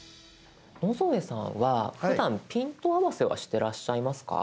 野添さんはふだんピント合わせはしてらっしゃいますか？